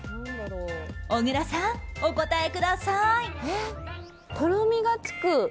小倉さん、お答えください！